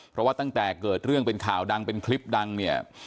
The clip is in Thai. เพราะว่าตั้งแต่เกิดเรื่องเป็นข่าวดังเป็นคลิปดังเนี่ย